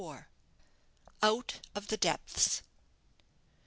OUT OF THE DEPTHS.